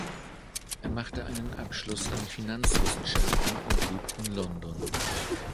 Er machte einen Abschluss in Finanzwissenschaften und lebt in London.